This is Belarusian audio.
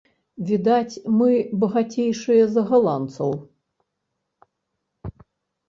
Відаць, мы багацейшыя за галандцаў.